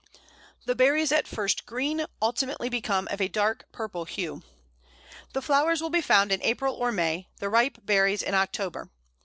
The berries, at first green, ultimately become of a dark purple hue. The flowers will be found in April or May; the ripe berries in October.